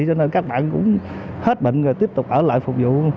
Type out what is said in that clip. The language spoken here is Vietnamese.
cho nên các bạn cũng hết bệnh rồi tiếp tục ở lại phục vụ